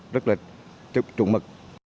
rất là trụng mực